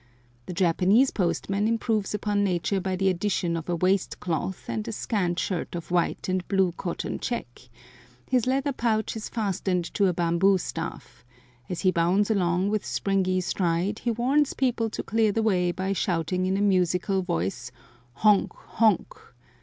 The Japanese postman improves upon nature by the addition of a waist cloth and a scant shirt of white and blue cotton check; his letter pouch is fastened to a bamboo staff; as he bounds along with springy stride he warns people to clear the way by shouting in a musical voice, "Honk, honk."